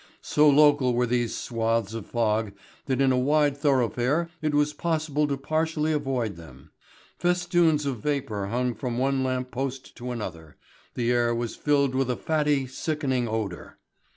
So local were these swathes of fog that in a wide thoroughfare it was possible to partially avoid them. Festoons of vapour hung from one lamp post to another, the air was filled with a fatty sickening odour.